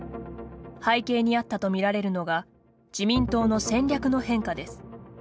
背景にあったとみられるのが自民党の戦略の変化です。